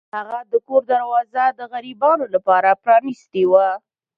هغه د کور دروازه د غریبانو لپاره پرانیستې وه.